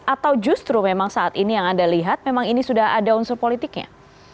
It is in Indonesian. atau justru memang saat ini yang anda lihat memang ini sudah ada unsur politiknya